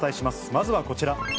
まずはこちら。